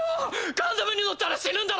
ガンダムに乗ったら死ぬんだろ